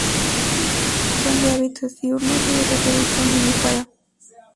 Son de hábitos diurnos y de reproducción vivípara.